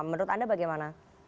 menurut anda bagaimana